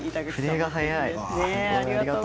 筆が早い。